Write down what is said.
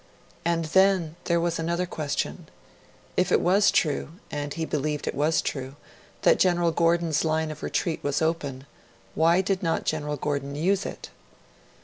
And then, there was another question. If it was true and he believed it was true that General Gordon's line of retreat was open, why did not General Gordon use it?